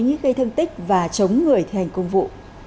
ý gây thương tích và chống người thi hành công vụ